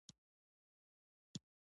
د واک انحصار ملت خوابدی کوي.